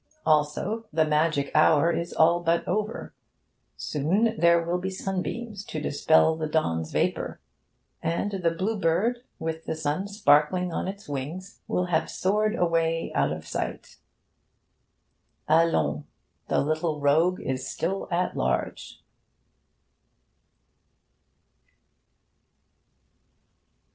Also, the magic hour is all but over. Soon there will be sunbeams to dispel the dawn's vapour; and the Blue Bird, with the sun sparkling on its wings, will have soared away out of sight. Allons! The little rogue is still at large.